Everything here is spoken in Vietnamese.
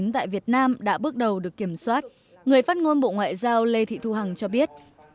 tại việt nam đã bước đầu được kiểm soát người phát ngôn bộ ngoại giao lê thị thu hằng cho biết